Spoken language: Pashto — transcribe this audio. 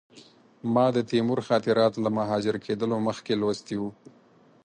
ما د تیمور خاطرات له مهاجر کېدلو مخکې لوستي وو.